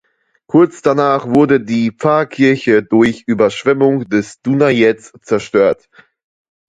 Kurz danach wurde die Pfarrkirche durch Überschwemmung des Dunajec zerstört.